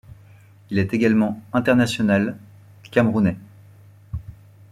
Il est également international camerounais.